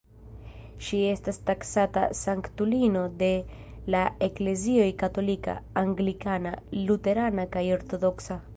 Ŝi estas taksata sanktulino de la eklezioj katolika, anglikana, luterana kaj ortodoksa.